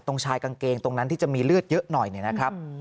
ชายกางเกงตรงนั้นที่จะมีเลือดเยอะหน่อยเนี่ยนะครับ